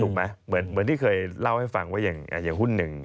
เหมือนที่เคยเล่าให้ฟังว่าอย่างหุ้นหนึ่ง